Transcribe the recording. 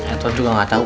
atau juga gatau